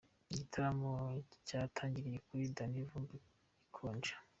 Igitaramo cyatangiriye kuri Danny Vumbi gikonje.